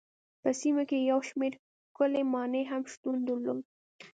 په سیمه کې یو شمېر ښکلې ماڼۍ هم شتون درلود.